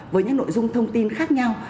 với những nội dung thông tin khác nhau